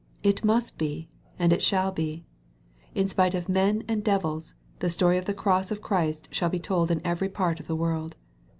It must be, and it shall be. In spite of men and devils, the story of the cross of Christ shall be told in every part of the world.